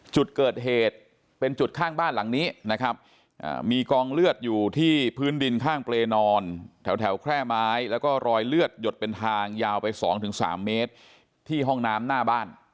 จุดเกิดเหตุเป็นจุดข้างบ้านหลังนี้นะครับมีกองเลือดอยู่ที่พื้นดินข้างเปรย์นอนแถวแคร่ไม้แล้วก็รอยเลือดหยดเป็นทางยาวไป๒๓เมตรที่ห้องน้ำหน้าบ้าน